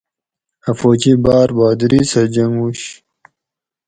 اَ فوجی باۤر بھادری سہ جنگوںش